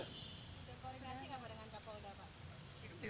koordinasi nggak pak dengan kapolda pak